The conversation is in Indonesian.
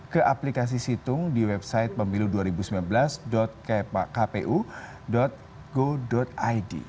ke aplikasi situng di website pemilu dua ribu sembilan belas kpu go id